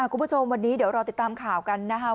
คุณผู้ชมวันนี้เดี๋ยวรอติดตามข่าวกันนะครับ